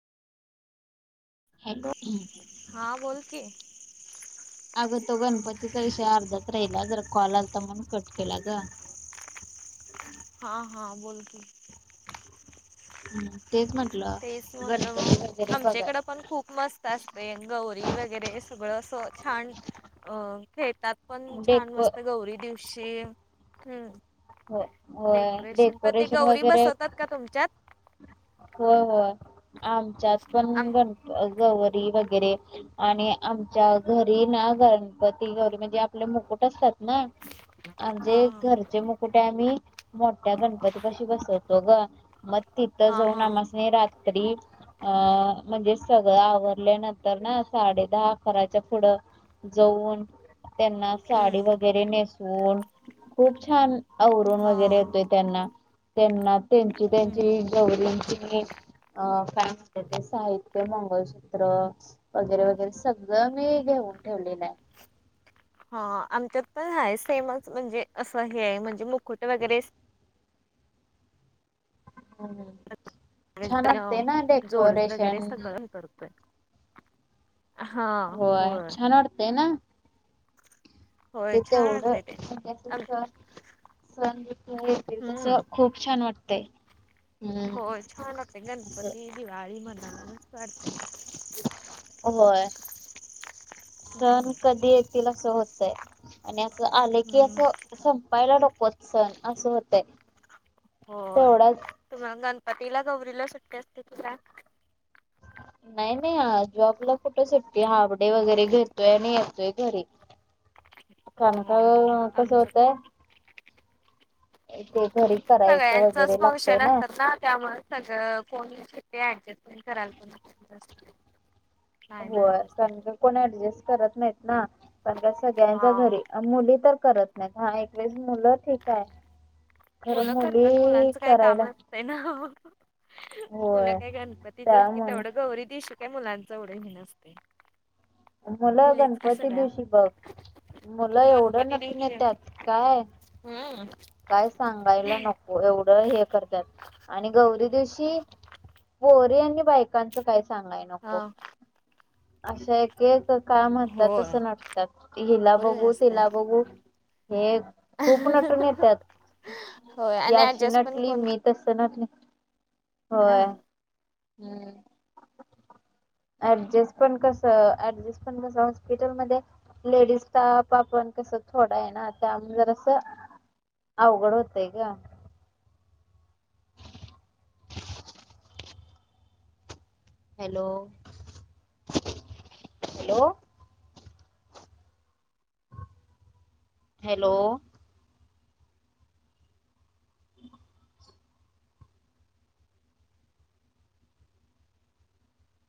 Hello हां बोल की अगं तो गणपतीचा विषय अर्धाच राहिला जर कॉलल तर म्हण कट केला ग हा हा बोलतो हम् तेच तेच म्हंटलं म्हणलं गडरी मग वगैरे बघाय आमच्याकडे पण खूप मस्त असते गौरी वगैरे सगळं असं छान अ खेळतात पण छान डेको मस्त गौरी दिवशी हम्म हो होय डेकोरेशन प ते गौरी वगैरे बसवतात का तुमच्यात होय होय आमच्यात पण आम बनतो गौरी वगैरे आणि आमच्या घरी ना गणपती घौरी म्हणजे आपले मुकुट असतात ना आजे हा हा घरचे मु कुठे आम्ही मोठ्या गणपती पाशी बसवतो ग मग तिथं हा जाऊन हा आम तरी अ म्हणजे सगळं आवरल्यानंतर ना साडे दहा अकराच्या पुढं जाऊन त्यांना साडी हम्म वगैरे नेसवून खूप छान आवरून हा वगैरे येतोय त्यांना त्यांना त्यांची हम्म त्यांची गवंची अ काय म्हणत ते साहित्य मंगलसूत्र वगैरे वगैरे सगळं मी घेऊन ठेवलेलं आहे ह आमच्यात पण आहे सेमच म्हणजे असं हे म्हणजे मुकुट वगैरे हम्म. छान वाटते ना जोड डेकोरेशन वगैरे सगळं करतोय हा होय नोडतेय ना होय तेथ छान एवढं वाटतय ते सण येतील तस हम्म खूप छान वाटतंय हम्म होय छान होते असं गणपती दिवाळी म्हणा वाढते होय सण हम्म कधी येतील असं होतय आणि असं आले की असं संपायला नकोत सण असं होतय होय तुमला गणपतीला गौरीलं सुट्टी असते तुझ नाही नाही आ जॉबला कुठं सुटते हाफ डे वगैरे घेतोय आणि येतोय घरी काणका हो. कसं आमच्या होतंय तेे घरी करायचं सगळ्यांचच वगैरे लागतय फंक्शन ना असतात त्यामुळे सगळं कोणीे ऍडजस्टमेंट करायला पण नाही हो म्हणत असतात. कारण का कोणी ऍडजस्ट करत नाहीत ना कारण का सगळ्यांच्या हा घरी मुली तर करत नाहीत हा एकवेेळेस मुलं ठीक आहे खरं मुलं करतात मुली मुलांचं काही काम करायला नसतय ना मला होय काय गणपतीचच कि त्यामुळे तेवढं गौरी दे शकत काय मुलांच एढं घेनसते मुला गणपती दिवशी बघ मुलं एवढं गणपती नटून दिवशी येतत काय हम्म काय सांगायला नको एवढं हे करतात आणि गौरी दिवशी बोर यांनी बायकांचं काय सांगलंय नको हा. अशा एक एक काम होय होतातसं नटतात हिला भरपूर हे बघू असतंय. तिला बघू हे खूप नटून येतात होय आणि या शि ऍडजस्ट पण नटली कोण मी तस ना करणार ना होय ह् ऍडजस्ट पण कस ऍडजस्ट पण कस हॉस्पिटलमध्येध्ये लेडीज त आप आपण कसं थोडा आहे ना त्या जर असं अ उघड होतयग हॅलो हॅलो हॅलो